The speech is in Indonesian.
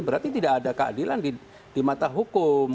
berarti tidak ada keadilan di mata hukum